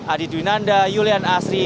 adi dunanda yulian asri